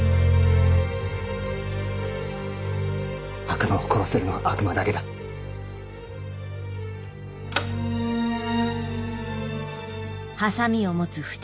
悪魔を殺せるのは悪魔だけだ。くっ！